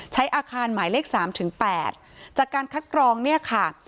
ใช้อาคารหมายเลข๓ถึง๘จากการคัดกรองเนี่ยค่ะ